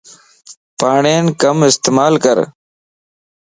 پاڙين ڪم استعمال ڪر